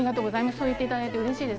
そう言っていただいて嬉しいです。